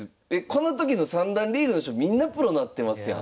この時の三段リーグの人みんなプロなってますやん。